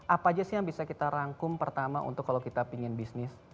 apa aja sih yang bisa kita rangkum pertama untuk kalau kita ingin bisnis